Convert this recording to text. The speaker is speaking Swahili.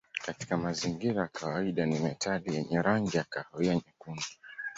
Katika mazingira ya kawaida ni metali yenye rangi ya kahawia nyekundu.